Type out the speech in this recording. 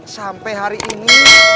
sampe hari ini